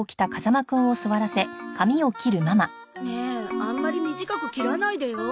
ねえあんまり短く切らないでよ。